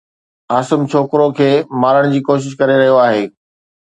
عاصم ڇوڪرو کي مارڻ جي ڪوشش ڪري رهيو آهي